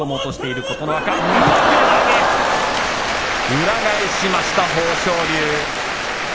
裏返しました豊昇龍